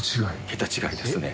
桁違いですね。